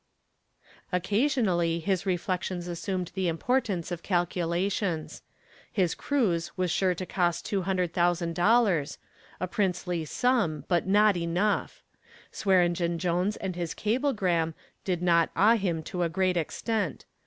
Occasionally his reflections assumed the importance of calculations. His cruise was sure to cost $200,000, a princely sum, but not enough. Swearengen Jones and his cablegram did not awe him to a great extent.